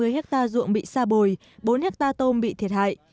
hai trăm hai mươi ha ruộng bị xa bồi bốn ha tôm bị thiệt hại